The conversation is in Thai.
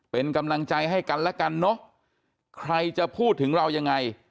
เป็นกำลังใจให้กันแล้วกันเนอะใครจะพูดถึงเรายังไง